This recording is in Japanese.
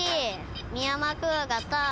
ミヤマクワガタ。